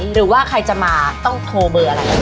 หรือว่าใครจะมาต้องโทรเบอร์อะไร